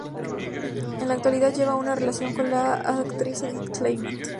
En la actualidad lleva una relación con la actriz Edith Kleiman.